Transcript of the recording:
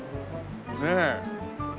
ねえ。